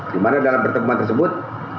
dimana dalam ketemuan tersebut